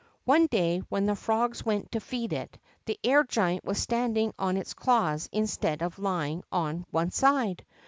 One day, when the frogs went to feed it, the air giant was standing on its claws instead of lying on one side.